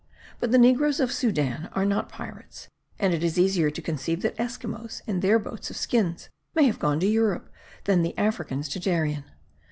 But the negroes of Soudan are not pirates; and it is easier to conceive that Esquimaux, in their boats of skins, may have gone to Europe, than the Africans to Darien.